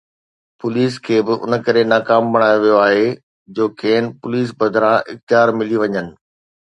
police کي به ان ڪري ناڪام بڻايو ويو آهي جو کين پوليس بدران اختيار ملي وڃن